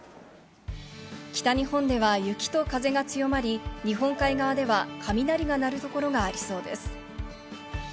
北日本では雪と風が強まり、日本海側では雷が鳴るところがありそうです。